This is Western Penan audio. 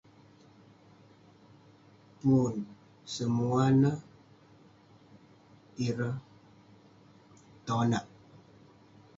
Pun, semuah neh ireh tonak..